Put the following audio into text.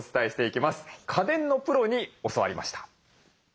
家電のプロに教わりました。